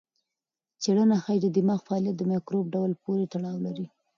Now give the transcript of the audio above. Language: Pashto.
څېړنه ښيي چې د دماغ فعالیت د مایکروب ډول پورې تړاو لري.